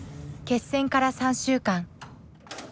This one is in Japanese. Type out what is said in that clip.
決戦から３週間。